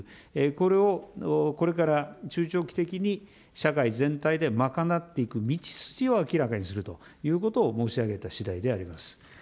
これをこれから中長期的に社会全体で賄っていく道筋を明らかにするということを申し上げたしだいであります。